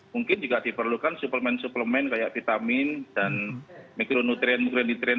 mungkin juga diperlukan suplemen suplemen kayak vitamin dan mikronutrien mikronitrien